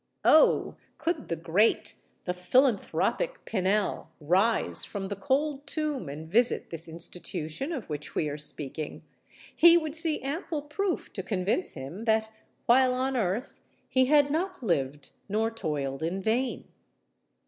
Oh! could the great—the philanthropic Pinel rise from the cold tomb and visit this institution of which we are speaking,—he would see ample proof to convince him that, while on earth, he had not lived nor toiled in vain.